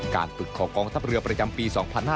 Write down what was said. จุดของกองทัพเรือประจำปี๒๕๕๙